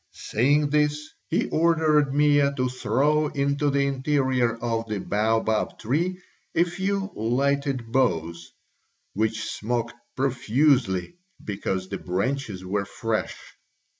Saying this, he ordered Mea to throw into the interior of the baobab tree a few lighted boughs, which smoked profusely because the branches were fresh.